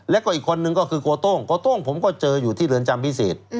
แล้วก็อีกคนนึงก็คือโคต้งโกโต้งผมก็เจออยู่ที่เรือนจำพิเศษ